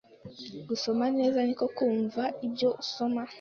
gusoma neza niko kumva ibyo usoma.